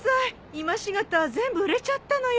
今し方全部売れちゃったのよ。